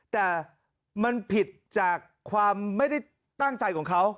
แต่มันผิดจากความไม่ได้ตั้งใจของเขา